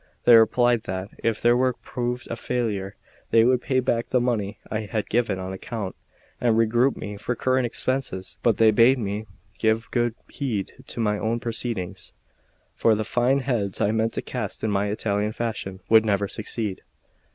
They replied that, if their work proved a failure, they would pay back the money I had given on account, and recoup me for current expenses; but they bade me give good heed to my own proceedings, for the fine heads I meant to cast in my Italian fashion would never succeed.